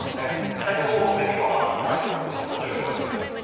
北日本方面にも雨雲が広がる、そんな状況です。